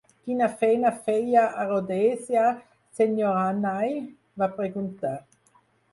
"Quina feina feia a Rhodesia, Sr. Hannay?" va preguntar.